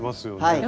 はい。